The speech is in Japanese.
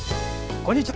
こんにちは。